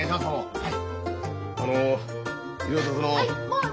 はい！